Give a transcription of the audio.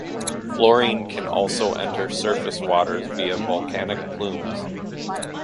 Fluorine can also enter surface waters via volcanic plumes.